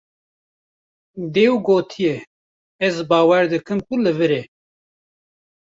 Dêw gotiye: Ez bawer dikim ku li vir e.